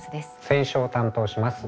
選書を担当します